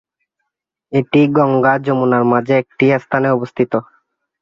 এটি গঙ্গা ও যমুনা মাঝের একটি স্থানে অবস্থিত।